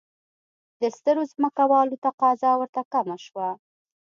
د سترو ځمکوالو تقاضا ورته کمه شوه.